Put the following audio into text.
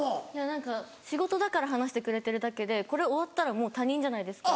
何か仕事だから話してくれてるだけでこれ終わったらもう他人じゃないですか。